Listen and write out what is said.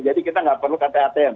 jadi kita tidak perlu kata atm